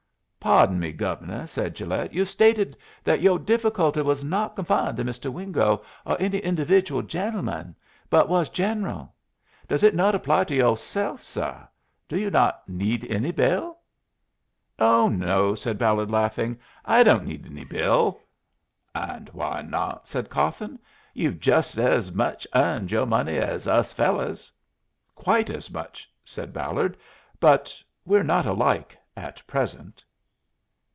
"Pardon me, Gove'nuh," said Gilet. "You stated that yoh difficulty was not confined to Mr. Wingo or any individual gentleman, but was general. Does it not apply to yo'self, suh? Do you not need any bill?" "Oh no," said Ballard, laughing. "I don't need any bill." "And why not?" said Cawthon. "You've jist ez much earned yoh money ez us fellers." "Quite as much," said Ballard. "But we're not alike at present."